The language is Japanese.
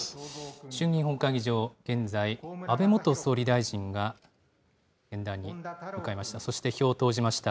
衆議院本会議場、現在、安倍元総理大臣が演壇に向かいました。